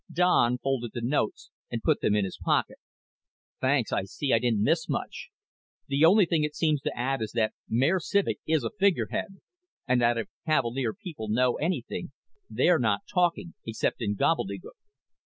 Don folded the notes and put them in his pocket. "Thanks. I see I didn't miss much. The only thing it seems to add is that Mayor Civek is a figurehead, and that if the Cavalier people know anything they're not talking, except in gobbledygook."